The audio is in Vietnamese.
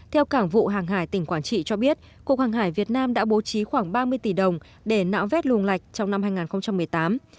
theo cảng vụ hàng hải tỉnh quảng trị cho biết cục hàng hải việt nam đã bố trí khoảng ba mươi tỷ đồng để nạo vét luồng lạch trong năm hai nghìn một mươi tám